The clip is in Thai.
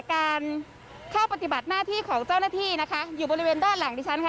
การเข้าปฏิบัติหน้าที่ของเจ้าหน้าที่นะคะอยู่บริเวณด้านหลังดิฉันค่ะ